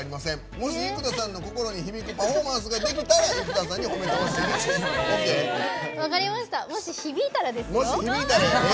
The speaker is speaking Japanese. もし生田さんの心に響くパフォーマンスができたら生田さんに褒めていただきたい」です。